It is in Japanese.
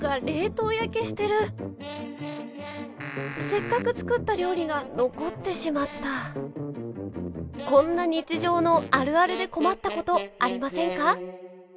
せっかく作った料理が残ってしまったこんな日常の「あるある」で困ったことありませんか？